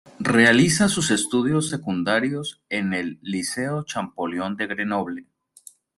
Realiza sus estudios secundarios en el "Liceo Champollion de Grenoble".